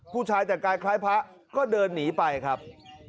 ผู้ชายแต่งกายคล้ายพระก็เดินหนีไปครับ